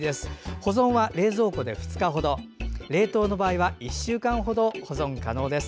保存は冷蔵庫で２日ほど冷凍の場合は１週間ほど保存可能です。